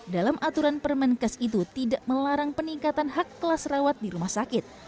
dalam aturan permenkes itu tidak melarang peningkatan hak kelas rawat di rumah sakit